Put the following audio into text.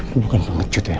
lu bukan pengecut ya